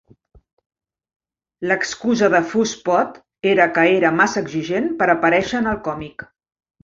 L'excusa de Fuss Pot era que era massa exigent per aparèixer en el còmic.